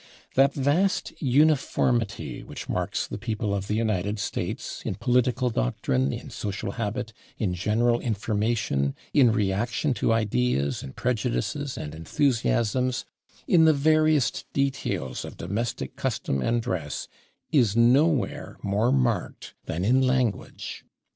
That vast uniformity which marks the people of the United States, in political doctrine, in social habit, in general information, in reaction to ideas, in prejudices and enthusiasms, in the veriest details of domestic custom and dress, is nowhere more marked than in language.